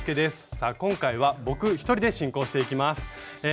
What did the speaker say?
さあ今回は僕一人で進行していきます。